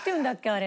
あれ。